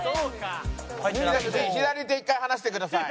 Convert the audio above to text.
左手一回離してください。